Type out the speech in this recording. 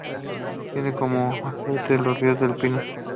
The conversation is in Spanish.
Tiene como afluente al río Los Pinos.